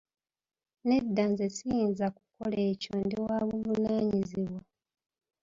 Nedda nze siyinza kukola ekyo ndi wa buvunaanyizibwa.